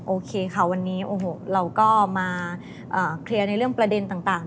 โอเคค่ะวันนี้โอ้โหเราก็มาเคลียร์ในเรื่องประเด็นต่าง